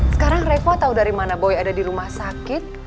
sekarang revo tahu dari mana boy ada di rumah sakit